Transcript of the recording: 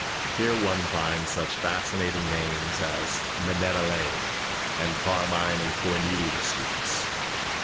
Here one finds such fascinating names as Minetta Lane and Carmine and Cornelia Streets.